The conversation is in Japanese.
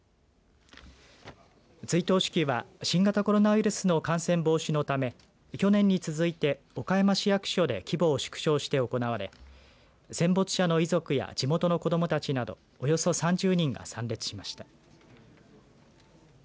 追悼式では新型コロナウイルスの感染防止のため去年に続いて岡山市役所で規模を縮小して行われ戦没者の遺族や地元の子どもたちなどおよそ３０人が参列しました。